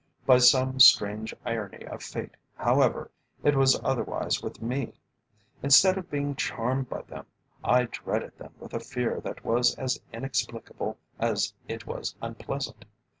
By some strange irony of Fate, however, it was otherwise with me. Instead of being charmed by them, I dreaded them with a fear that was as inexplicable as it was unpleasant.